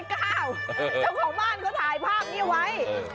เจ้าของบ้านเขาถ่ายภาพนี้ไว้